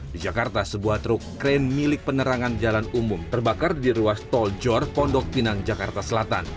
di jakarta sebuah truk krain milik penerangan jalan umum terbakar di ruas tol jor pondok pinang jakarta selatan